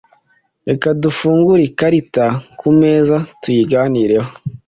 reka dufungure ikarita kumeza tuyiganireho.